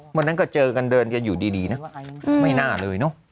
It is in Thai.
วันนั้นก็เจอกันเดินกันอยู่ดีนะไม่น่าเลยเนอะ